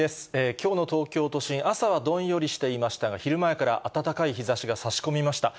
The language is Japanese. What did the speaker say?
きょうの東京都心、朝はどんよりしていましたが、昼前から暖かい日ざしがさし込みました。